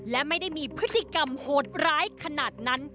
และไม่ได้มีพฤติกรรมโหดร้ายขนาดนั้น